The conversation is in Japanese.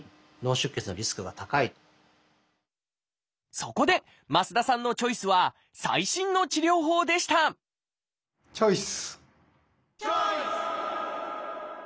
そこで増田さんのチョイスは最新の治療法でしたチョイス！